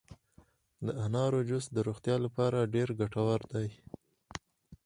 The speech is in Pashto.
د انارو جوس د روغتیا لپاره ډیر ګټور دي.